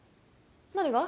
何が？